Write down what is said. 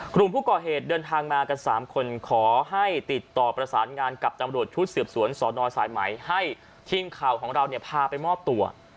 กลุ่มผู้ก่อเหตุเดินทางมากัน๓คนขอให้ติดต่อประสานงานกับตำรวจชุดสืบสวนสอนอสายไหมให้ทีมข่าวของเราเนี่ยพาไปมอบตัว